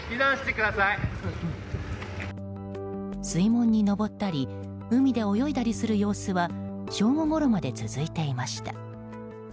水門に上ったり海で泳いだりする様子は正午ごろまで続いていました。